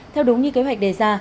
theo đúng như kế hoạch đề ra